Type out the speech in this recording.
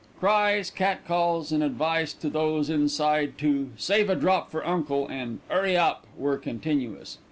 Cries, cat calls, and advice to those inside to "save a drop for uncle," and "'urry up," were continuous.